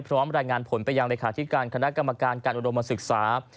รายงานผลไปยังเลขาธิการคณะกรรมการการอุดมศึกษา